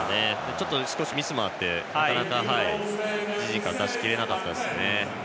ちょっと少しミスもあってなかなか自陣から出し切れなかったですね。